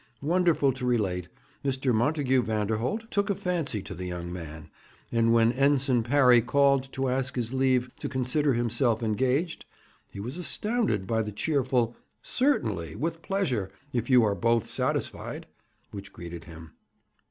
Wonderful to relate, Mr. Montagu Vanderholt took a fancy to the young man, and when Ensign Parry called to ask his leave to consider himself engaged, he was astounded by the cheerful 'Certainly, with pleasure, if you are both satisfied,' which greeted him.